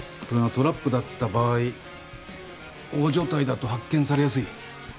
これがトラップだった場合大所帯だと発見されやすい。